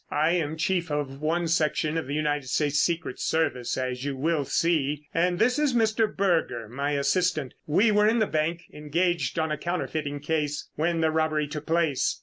"I am chief of one section of the United States Secret Service as you will see, and this is Mr. Berger, my assistant. We were in the bank, engaged on a counterfeiting case, when the robbery took place.